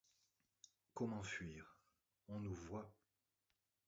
Comment fuir ? on nous voit !